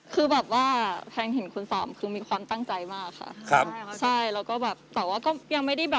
เขาฟื้อเขาบอกให้ยัดนะ